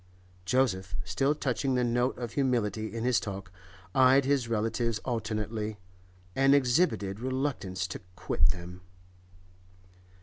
Joseph, still touching the note of humility in his talk, eyed his relatives alternately, and exhibited reluctance to quit them.